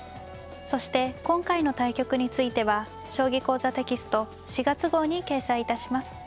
そして今回の対局については「将棋講座」テキスト４月号に掲載致します。